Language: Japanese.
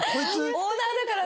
オーナーだから。